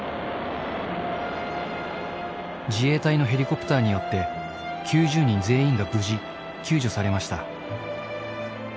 自衛隊のヘリコプターによって、９０人全員が無事、救助されました。